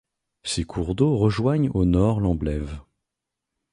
Ces cours d'eau rejoignent au nord l'Amblève.